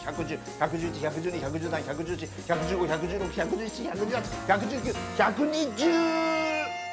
１１１１１２１１３１１４１１５１１６１１７１１８１１９１２０。